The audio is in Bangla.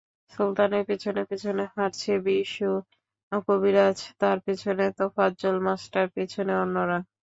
সুলতানের পেছনে পেছনে হাঁটছে বিশু কবিরাজ, তার পেছনে তোফাজ্জল মাস্টার, পেছনে অন্যরা।